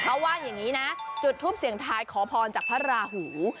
เขาว่าอย่างนี้นะจุดทูปเสียงทายขอพรจากพระราหู